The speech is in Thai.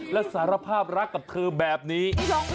และสารภาพรักกับเธอแบบนี้